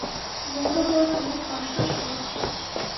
গৌরবর্ণ মুখ টস টস করছে।